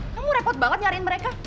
kamu repot banget nyariin mereka